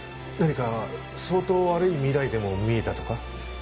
何か相当悪い未来でも見えたとか？